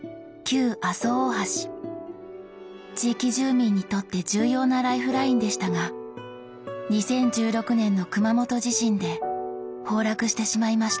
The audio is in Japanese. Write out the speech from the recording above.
地域住民にとって重要なライフラインでしたが２０１６年の熊本地震で崩落してしまいました。